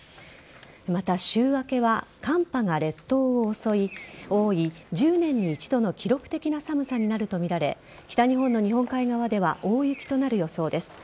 また、週明けは寒波が列島を覆い１０年に一度の記録的な寒さになるとみられ北日本の日本海側では大雪となる予想です。